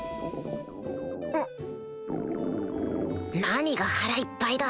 何が腹いっぱいだ